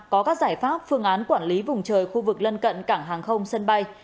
có các giải pháp phương án quản lý vùng trời khu vực lân cận cảng hàng không sân bay